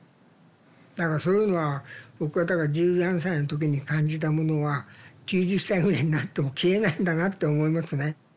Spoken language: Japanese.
だからそういうのは僕は十何歳の時に感じたものは９０歳ぐらいになっても消えないんだなって思いますね。